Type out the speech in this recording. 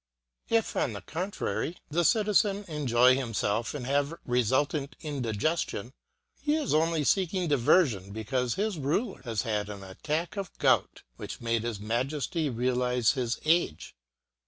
If, on the contrary, the citizen enjoy himself and have resultant indigestion, he is only seeking diversion because his ruler has had an attack of gout, which made his Majesty realize his age.